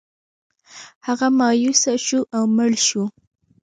هغه مایوسه شو او مړ شو.